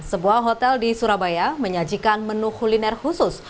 sebuah hotel di surabaya menyajikan menu kuliner khusus